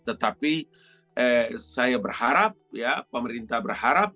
tetapi saya berharap ya pemerintah berharap